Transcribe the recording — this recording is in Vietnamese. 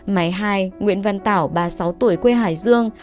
máy hai nguyễn văn tảo ba mươi sáu tuổi quê hải dương